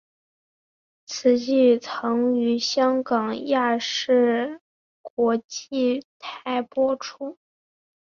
此剧曾于香港亚视国际台播出。